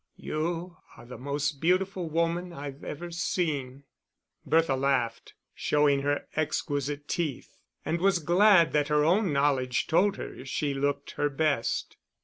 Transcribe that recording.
"You are the most beautiful woman I've ever seen." Bertha laughed, showing her exquisite teeth, and was glad that her own knowledge told her she looked her best.